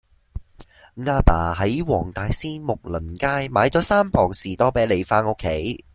亞爸喺黃大仙睦鄰街買左三磅士多啤梨返屋企